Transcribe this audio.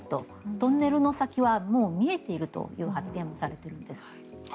トンネルの先はもう見えているという発言もされているんです。